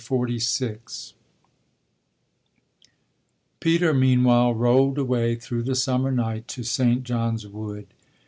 XLVI Peter meanwhile rolled away through the summer night to Saint John's Wood.